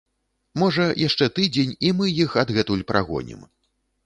Можа яшчэ тыдзень, і мы іх адгэтуль прагонім.